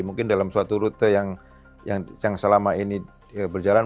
mungkin dalam suatu rute yang selama ini berjalan